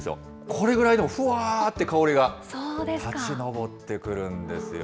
これぐらいでも、ふわーって香りが立ち上ってくるんですよ。